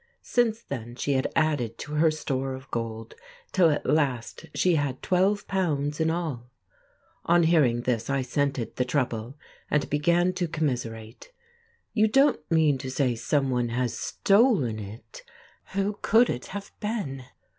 Since then she had added to her store of gold, till at last she had £12 in all. On hearing this I scented the trouble, and began to commiserate: "You don't mean to say someone has stolen it! Who could it have been?"